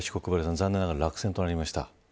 残念ながら落選となりました。